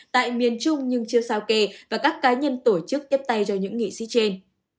tại miền trung nhưng chưa sao kề và các cá nhân tổ chức tiếp tay cho những nghị sĩ trên